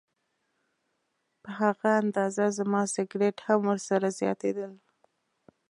په هغه اندازه زما سګرټ هم ورسره زیاتېدل.